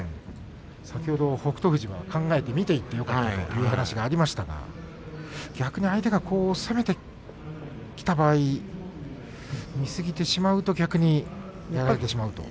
先ほどの北勝富士は考えて見ていったところはよかったという話がありましたが逆に相手を見すぎてしまうとやられてしまうと。